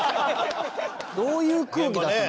どういう空気だったの？